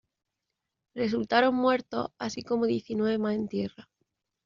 Resultaron muertos, así como diecinueve más en tierra.